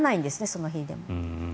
その日でも。